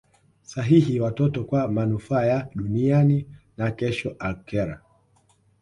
sahihi watoto kwa manufaa ya duniani na kesho akhera